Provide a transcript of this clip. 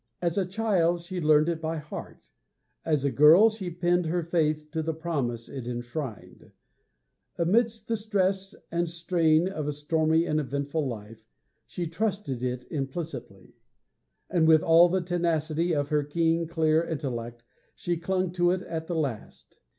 As a child she learned it by heart; as a girl she pinned her faith to the promise it enshrined; amidst the stress and strain of a stormy and eventful life she trusted it implicitly; and, with all the tenacity of her keen, clear intellect, she clung to it at the last.